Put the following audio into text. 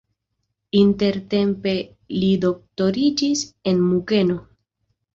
Intertempe li doktoriĝis en Munkeno.